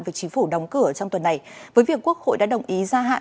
việc chính phủ đóng cửa trong tuần này với việc quốc hội đã đồng ý gia hạn